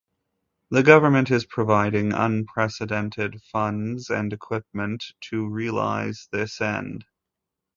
The Government is providing unprecedented funds and equipment to realize this end.